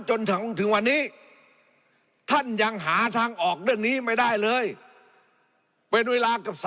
จนถึงวันนี้ท่านยังหาทางออกเรื่องนี้ไม่ได้เลยเป็นเวลาเกือบ